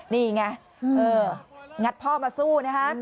นี่ไงงัดพ่อมาสู้นะคะ